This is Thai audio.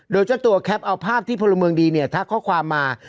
โดยเจ้าตัวแคปเอาภาพที่พลเมืองดีเนี่ยทักข้อความมา